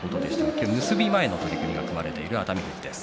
今日は結び前の取組が組まれている熱海富士です。